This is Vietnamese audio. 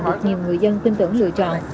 được nhiều người dân tin tưởng lựa chọn